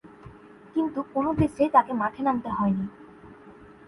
কিন্তু কোন টেস্টেই তাকে মাঠে নামতে হয়নি।